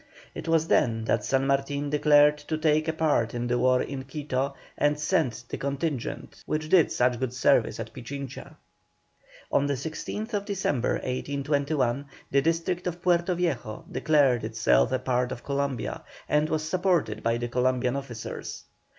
It was then that San Martin decided to take a part in the war in Quito, and sent the contingent which did such good service at Pichincha. On the 16th December, 1821, the district of Puerto Viejo declared itself a part of Columbia, and was supported by the Columbian officers.